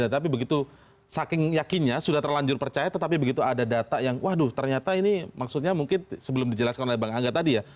tapi begitu saking yakinnya sudah terlanjur percaya tetapi begitu ada data yang waduh ternyata ini maksudnya mungkin sebelum dijelaskan oleh bang angga tadi ya